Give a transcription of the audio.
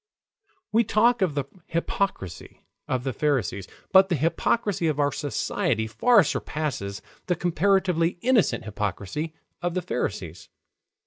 We talk of the hypocrisy of the Pharisees. But the hypocrisy of our society far surpasses the comparatively innocent hypocrisy of the Pharisees.